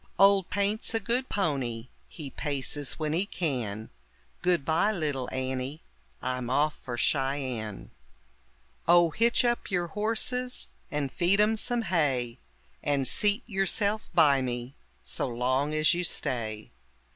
Old Paint's a good pony, he paces when he can; Goodbye, little Annie, I'm off for Cheyenne. Oh, hitch up your horses and feed 'em some hay, And seat yourself by me so long as you stay.